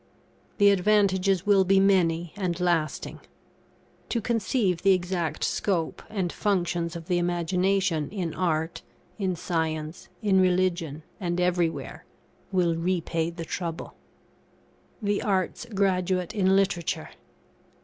The advantages will be many and lasting. To conceive the exact scope and functions of the Imagination in art, in science, in religion, and everywhere, will repay the trouble. THE ARTS' GRADUATE IN LITERATURE.